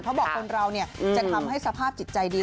เพราะบอกคนเราจะทำให้สภาพจิตใจดี